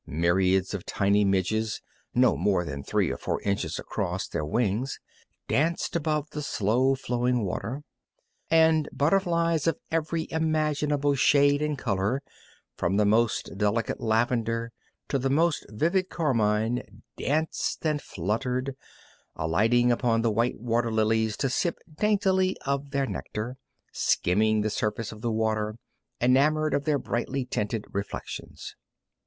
Myriads of tiny midges no more than three or four inches across their wings danced above the slow flowing water. And butterflies of every imaginable shade and color, from the most delicate lavender to the most vivid carmine, danced and fluttered, alighting upon the white water lilies to sip daintily of their nectar, skimming the surface of the water, enamored of their brightly tinted reflections.